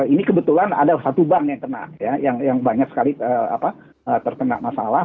ini kebetulan ada satu bank yang kena ya yang banyak sekali terkena masalah